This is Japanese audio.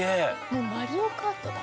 もう『マリオカート』だ。